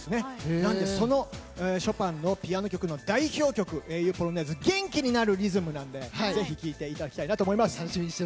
なので、そのショパンのピアノ曲の代表曲「英雄ポロネーズ」元気になるリズムなのでぜひ聴いていただきたいなと思います。